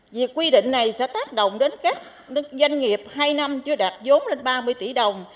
việc quy định này sẽ tác động đến các doanh nghiệp hai năm chưa đạt vốn lên ba mươi tỷ đồng